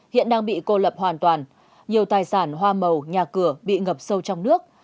hiện đang bị cô lập hoàn toàn nhiều tài sản hoa màu nhà cửa bị ngập sâu trong nước